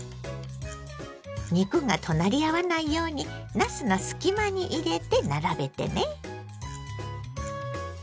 肉が隣り合わないようになすの隙間に入れて並べてね。